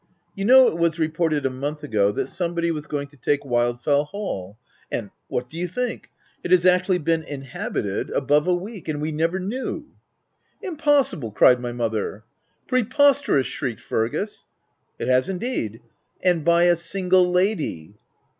You know it was reported a month ago, that some 12 THE TENANT body was going to take Wildfell Hall— and— what do you think ? It has actually been in habited above a week !— and we never knew !"" Impossible ! v cried my mother. " Preposterous !!! n shrieked Fergus. " It has indeed !— and by a single lady